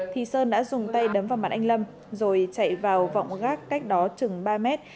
thì sơn đã dùng tay đấm vào mặt anh lâm rồi chạy vào vọng gác cách đó chừng ba mét